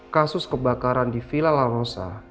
kasus kebakaran di villa la rosa